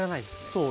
そう。